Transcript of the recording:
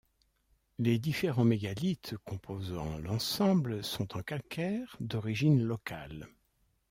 Les différents mégalithes composant l'ensemble sont en calcaire d'origine locale.